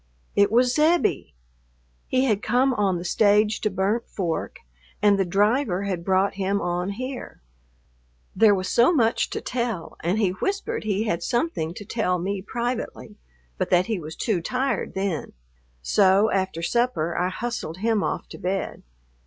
It was Zebbie. He had come on the stage to Burnt Fork and the driver had brought him on here.... There was so much to tell, and he whispered he had something to tell me privately, but that he was too tired then; so after supper I hustled him off to bed....